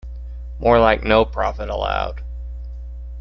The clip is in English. More like No Profit Allowed.